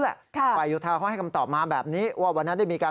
แหละค่ะฝ่ายโยธาเขาให้คำตอบมาแบบนี้ว่าวันนั้นได้มีการ